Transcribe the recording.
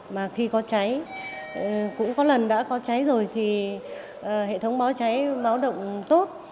mà khi có cháy cũng có lần đã có cháy rồi thì hệ thống báo cháy báo động tốt